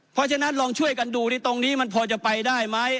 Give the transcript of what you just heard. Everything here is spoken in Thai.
เพราะฉะนั้นลองช่วยกันดูที่ตรงนี้มันพอจะไปได้ไหม